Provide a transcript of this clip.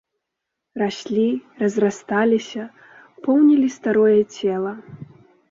Раслі, разрасталіся, поўнілі старое цела.